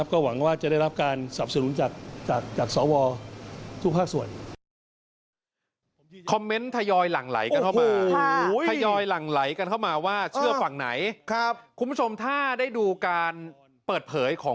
ก็หวังว่าจะได้รับการสับสนุนจากสวทุกภาคส่วน